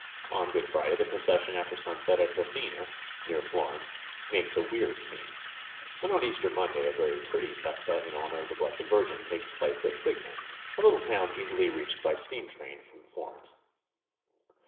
On Good Friday the procession after sunset at Grassina, near Flor ence, makes a weird scene; and on Easter Monday a very pretty festa in honor of the Blessed Virgin takes place at Signa, a little town easily reached by steam train from Flor ence.